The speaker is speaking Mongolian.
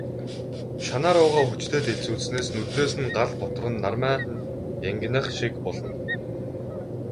Шанаа руугаа хүчтэй дэлсүүлснээс нүднээс нь гал бутран, нармай нь янгинах шиг болно.